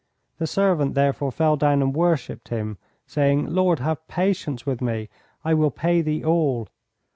The servant therefore fell down and worshipped him, saying, Lord, have patience with me; I will pay thee all.